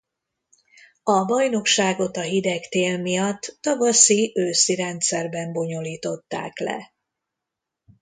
A bajnokságot a hideg tél miatt tavaszi-őszi rendszerben bonyolították le.